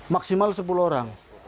maksimal sepuluh orang